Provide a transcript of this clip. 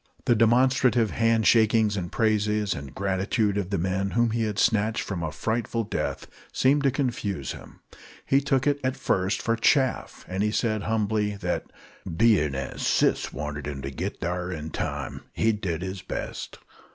The demonstrative hand shakings and praises and gratitude of the men whom he had snatched from a frightful death seemed to confuse him. He took it at first for chaff, and said, humbly, that "Bein' as sis wanted him to git thar in time, he'd did his best."